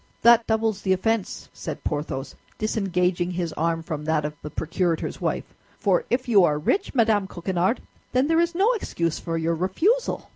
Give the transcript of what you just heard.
"That doubles the offense," said Porthos, disengaging his arm from that of the procurator's wife; "for if you are rich, Madame Coquenard, then there is no excuse for your refusal."